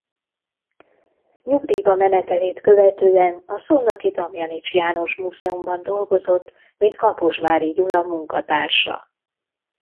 Nyugdíjba menetelét követően a szolnoki Damjanich János Múzeumban dolgozott mint Kaposvári Gyula munkatársa.